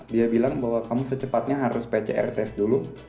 dia bilang bahwa kamu secepatnya harus pcr test dulu